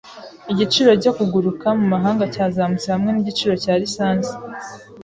Igiciro cyo kuguruka mumahanga cyazamutse hamwe nigiciro cya lisansi.